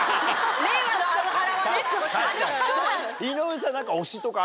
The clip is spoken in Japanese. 令和のアルハラはね。